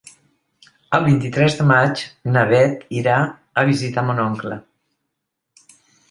El vint-i-tres de maig na Bet irà a visitar mon oncle.